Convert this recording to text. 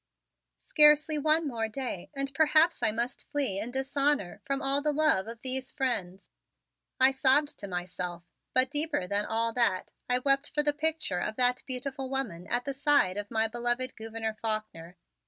"Scarcely one more day and perhaps I must flee in dishonor from all the love of these friends," I sobbed to myself, but deeper than all that I wept for the picture of that beautiful woman at the side of my beloved Gouverneur Faulkner.